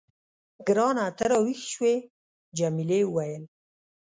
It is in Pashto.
ګرانه، ته راویښ شوې؟ جميلې وويل:.